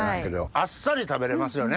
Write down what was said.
あっさり食べれますよね。